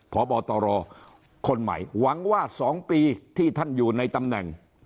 พบตรคนใหม่หวังว่า๒ปีที่ท่านอยู่ในตำแหน่ง